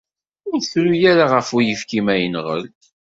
Ur ttru ara ɣef uyefki ma yenɣel.